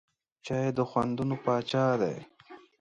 چای د خوندونو پاچا دی.